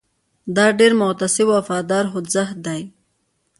دا ډېر متعصب او وفادار خوځښت دی.